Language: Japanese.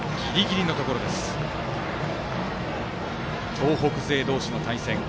東北勢同士の対戦。